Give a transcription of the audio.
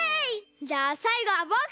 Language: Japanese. じゃあさいごはぼく。